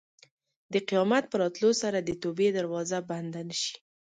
د قیامت په راتلو سره د توبې دروازه بنده نه شي.